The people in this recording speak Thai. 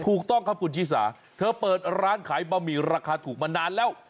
ถูกต้องครับคุณชิสาเธอเปิดร้านขายบะหมี่ราคาถูกมานานแล้ว